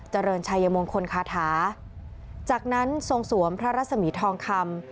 เจริญชัยมงคลคาถาจากนั้นทรงสวมพระรัศมีทองคำ